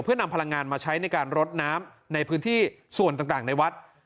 เพื่อนำพลังงานมาใช้ในการรดน้ำในพื้นที่ส่วนต่างในวัด